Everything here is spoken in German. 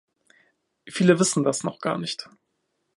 Viele wissen das noch gar nicht.